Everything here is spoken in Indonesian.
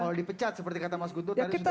kalau dipecat seperti kata mas guntur tadi sudah